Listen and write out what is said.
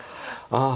ああ